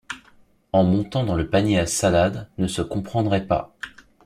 en montant dans le panier à salade, ne se comprendrait pas.